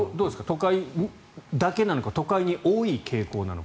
都会だけなのか都会に多い傾向なのか。